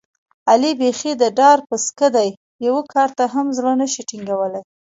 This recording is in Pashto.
علي بیخي د ډار پسکه دی، یوه کار ته هم زړه نشي ټینګولی.